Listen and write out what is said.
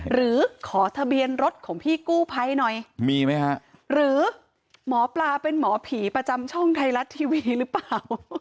หรือหมอปลาเป็นหมอผีประจำช่องไทยรัฐทีวีหรือเปล่า